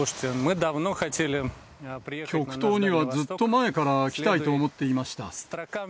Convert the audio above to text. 極東にはずっと前から来たいと思っていました。